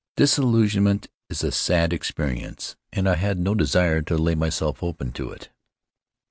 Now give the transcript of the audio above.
Disillusionment is a sad experi ence and I had no desire to lay myself open to it.